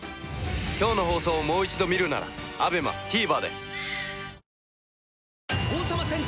今日の放送をもう一度見るならＡＢＥＭＡＴＶｅｒで。